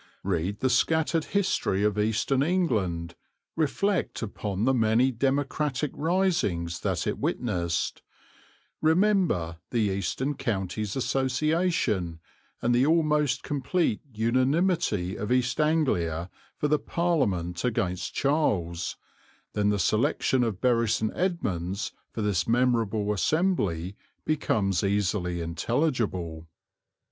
Read the scattered history of Eastern England, reflect upon the many democratic risings that it witnessed; remember the Eastern Counties Association and the almost complete unanimity of East Anglia for the Parliament against Charles then the selection of Bury St. Edmunds for this memorable assembly becomes easily intelligible.